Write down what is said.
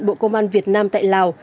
bộ công an việt nam tại lào